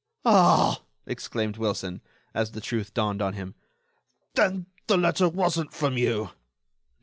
"Ah!" exclaimed Wilson, as the truth dawned on him, "then the letter wasn't from you?"